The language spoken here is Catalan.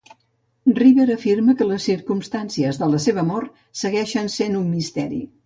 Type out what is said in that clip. Riber afirma que les circumstàncies de la seva mort segueixen sent un misteri.